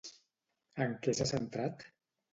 En què s'ha centrat?